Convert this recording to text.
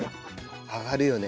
上がるよね。